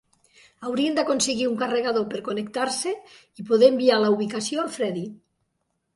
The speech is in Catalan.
Haurien d'aconseguir un carregador per connectar-se i poder enviar la ubicació al Fredi.